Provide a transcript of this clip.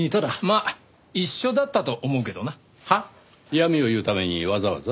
嫌味を言うためにわざわざ？